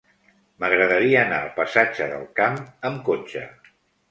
M'agradaria anar al passatge del Camp amb cotxe.